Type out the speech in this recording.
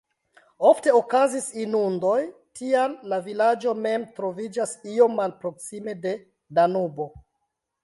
Ofte okazis inundoj, tial la vilaĝo mem troviĝas iom malproksime de Danubo.